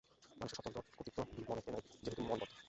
মানুষের স্বতন্ত্র কর্তৃত্ব মনেতে নাই, যেহেতু মন বদ্ধ।